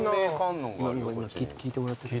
今聞いてもらってる。